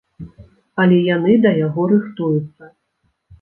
Але яны да яго рыхтуюцца.